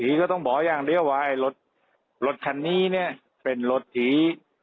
ตรีก็ต้องบอกอย่างเดียวว่ารถรถคันนี้เป็นรถห่ี